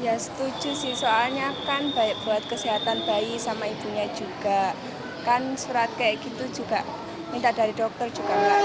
ya setuju sih soalnya kan baik buat kesehatan bayi sama ibunya juga kan surat kayak gitu juga minta dari dokter juga enggak